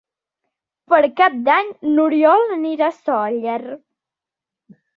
Per Cap d'Any n'Oriol anirà a Sóller.